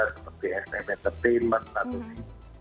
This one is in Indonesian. seperti sm entertainment